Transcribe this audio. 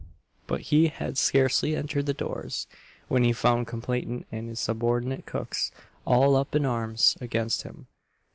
But he had scarcely entered the doors, when he found complainant and his surbordinate cooks all up in arms against him.